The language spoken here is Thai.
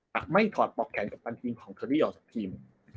ไม่ถอดปอกแขนกัปตันทีมของเชอรี่ออกจากทีม